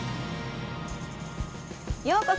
ようこそ！